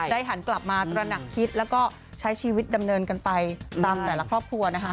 หันกลับมาตระหนักคิดแล้วก็ใช้ชีวิตดำเนินกันไปตามแต่ละครอบครัวนะคะ